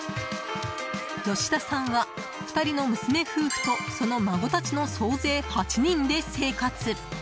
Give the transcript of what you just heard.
吉田さんは２人の娘夫婦とその孫たちの総勢８人で生活。